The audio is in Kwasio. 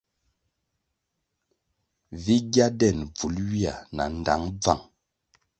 Vi gya den bvul ywia na ndtang bvang,